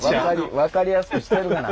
分かりやすくしてるがな。